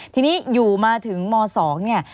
ทีนี้อยู่มาถึงม๒เนี่ย